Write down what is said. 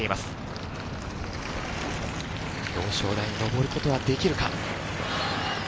表彰台に上る事はできるか？